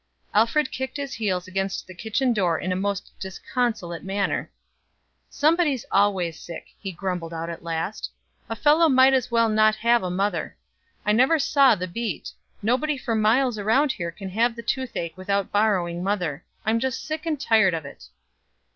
Alfred kicked his heels against the kitchen door in a most disconsolate manner. "Somebody's always sick," he grumbled out at last. "A fellow might as well not have a mother. I never saw the beat nobody for miles around here can have the toothache without borrowing mother. I'm just sick and tired of it."